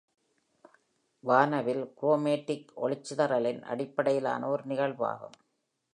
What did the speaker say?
வானவில் குரோமேட்டிக் ஒளிச்சிதறலின் அடிப்படையிலான ஒரு நிகழ்வாகும்.